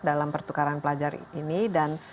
dalam pertukaran pelajar ini dan